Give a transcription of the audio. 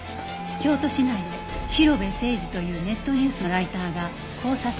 京都市内で広辺誠児というネットニュースのライターが絞殺体で発見